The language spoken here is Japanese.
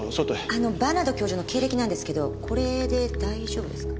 あのバーナード教授の経歴なんですけどこれで大丈夫ですか？